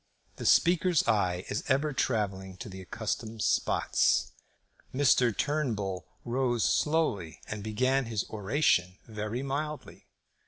The Speaker's eye is ever travelling to the accustomed spots. Mr. Turnbull rose slowly and began his oration very mildly.